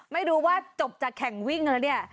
ไม่รู้ว่าจบจากแข่งวิ่งแล้วเนี่ย